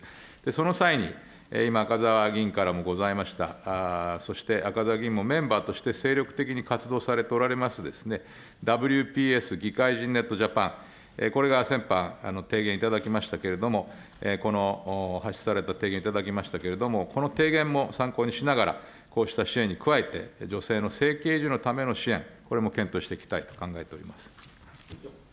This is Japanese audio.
その際に、今、赤澤議員からもございました、そして赤澤議員もメンバーとして精力的に活動されておられます、ＷＰＳぎかいじんネットジャパン、これが先般、提言いただいたけれども、この発出された提言をいただきましたけれども、この提言も参考にしながら、こうした支援に加えて女性の生計維持のための支援、これも検討していきたいと考えております。